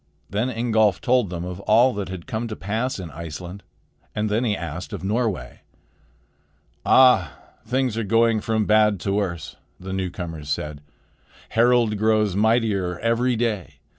Then Ingolf told them of all that had come to pass in Iceland; and then he asked of Norway. "Ah! things are going from bad to worse," the newcomers said. "Harald grows mightier every day.